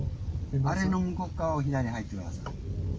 前の向こうっ側を左に入ってください。